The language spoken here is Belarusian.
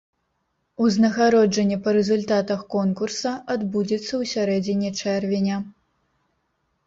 Узнагароджанне па рэзультатах конкурса адбудзецца ў сярэдзіне чэрвеня.